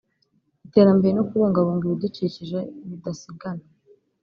iterambere no kubungabunga ibidukikije bidasigana